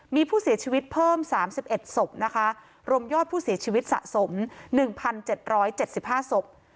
มีผู้เสียชีวิตเพิ่ม๓๑ศพนะคะรวมยอดผู้เสียชีวิตสะสม๑๗๗๕ศพ